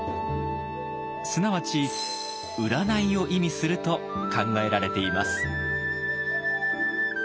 すなわち「占い」を意味すると考えられています。